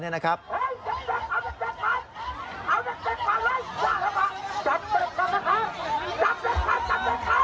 เยี่ยมเอาหนักเส้งภาคล่ะพรมาภะ